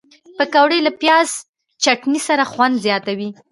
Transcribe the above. پکورې له پیاز چټني سره خوند زیاتوي